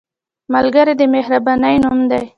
ملګری د مهربانۍ نوم دی